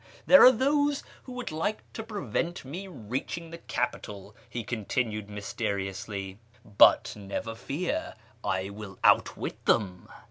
There are those who would like to prevent my reaching the capital," he continued mysteriously, " but never fear, I will outwit them.